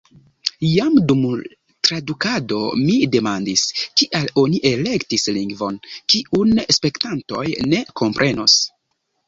Jam dum tradukado mi demandis, kial oni elektis lingvon, kiun spektantoj ne komprenos.